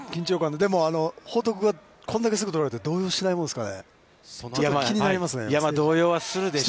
でも、報徳はこんだけすぐ取られて、動揺しないものですかね。